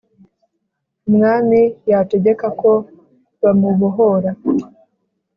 umwami yategeka ko bamubohora